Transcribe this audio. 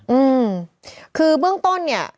อืมคือเบื้องต้นเนี่ย